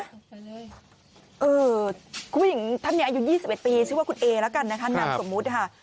คุณผู้หญิงท่านเนี่ยอายุ๒๑ปีชื่อว่าคุณเอละกันน้ำสมมติค่ะ